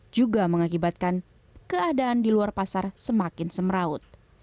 juga mengakibatkan keadaan di luar pasar semakin semeraut